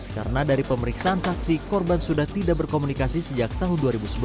karena dari pemeriksaan saksi korban sudah tidak berkomunikasi sejak tahun dua ribu sebelas